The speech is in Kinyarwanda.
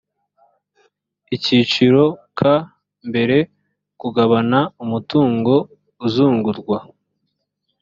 akiciro ka mbere kugabana umutungo uzungurwa